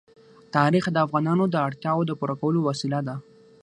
تاریخ د افغانانو د اړتیاوو د پوره کولو وسیله ده.